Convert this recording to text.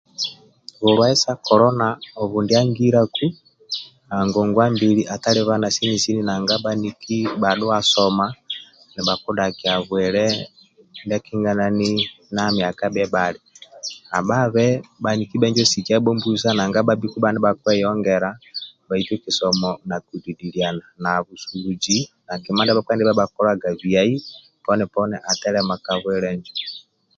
Bulwaye sa obu ndia angilaku ngongwa mbili atalibana sini sini nanga bhaniki bhadhuwa soma nibhakudgakia bwile ndia akinganani bhia mwaka bhali abhabe bhaniki bhenjo sikiabho mbusa nanga bhabhikibha nibhakweyongela bhaitu kisomo nakididiliana busubuzi na kima ndia bhakpa yabhakolaga biai poni poni atelema ka bwile injo